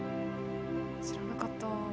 知らなかった。